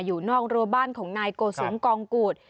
อยู่นอกรัวบ้านของนายโกสุมกองกูธ